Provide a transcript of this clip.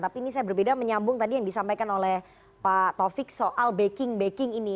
tapi ini saya berbeda menyambung tadi yang disampaikan oleh pak taufik soal backing backing ini